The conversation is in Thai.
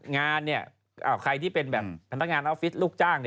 งานเนี่ยใครที่เป็นแบบพนักงานออฟฟิศลูกจ้าง